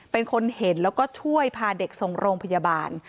เป็นคนเห็นแล้วก็ช่วยพาเด็กส่งโรงพยาบาล